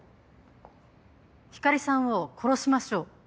光莉さんを殺しましょう。